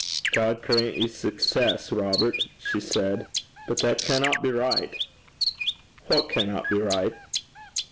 'God grant ye success, Robert,' she said. 'But that canna be richt.' 'What canna be richt?'